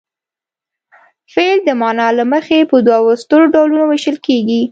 فعل د معنا له مخې په دوو سترو ډولونو ویشل کیږي.